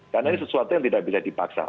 karena ini sesuatu yang tidak bisa dipaksa